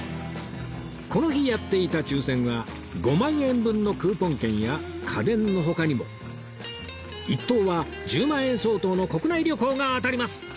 この日やっていた抽選は５万円分のクーポン券や家電の他にも１等は１０万円相当の国内旅行が当たります！